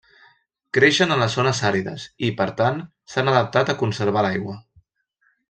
Creixen a les zones àrides i, per tant, s'han adaptat a conservar l'aigua.